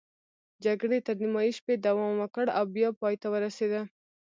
جګړې تر نیمايي شپې دوام وکړ او بیا پای ته ورسېده.